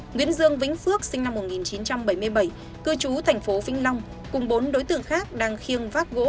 nguyễn dương vĩnh phước sinh năm một nghìn chín trăm bảy mươi bảy cư trú thành phố vĩnh long cùng bốn đối tượng khác